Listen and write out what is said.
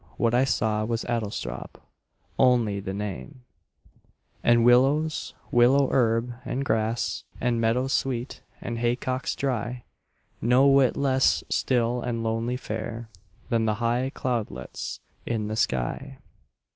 What I saw Was Adlestrop only the name And willows, willow herb, and grass, And meadowsweet, and haycocks dry; No whit less still and lonely fair Than the high cloudlets in the sky.